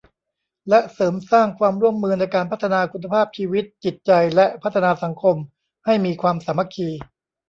และเสริมสร้างความร่วมมือในการพัฒนาคุณภาพชีวิต จิตใจ และพัฒนาสังคมให้มีความสามัคคี